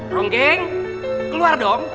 rongkeng keluar dong